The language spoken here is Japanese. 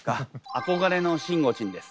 憧れのしんごちんです。